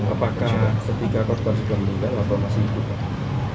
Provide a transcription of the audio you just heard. apakah ketika korban sudah menunggak atau masih ikut